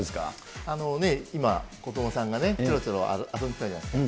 今、子どもさんがちょろちょろ遊んでたじゃないですか。